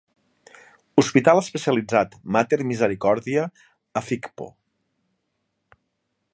Hospital especialitzat Mater Misericordia, Afikpo.